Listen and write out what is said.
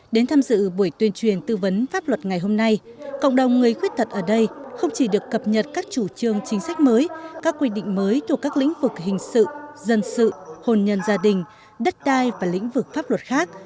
đến tham dự buổi tuyên truyền tư vấn pháp luật ngày hôm nay cộng đồng người khuyết tật ở đây không chỉ được cập nhật các chủ trương chính sách mới các quy định mới thuộc các lĩnh vực hình sự dân sự hồn nhân gia đình đất đai và lĩnh vực pháp luật khác